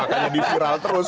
makanya difiral terus